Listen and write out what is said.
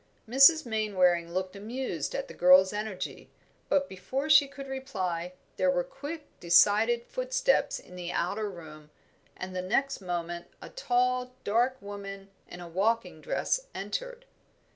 Mrs. Mainwaring looked amused at the girl's energy, but before she could reply there were quick, decided footsteps in the outer room, and the next moment a tall, dark woman in walking dress entered.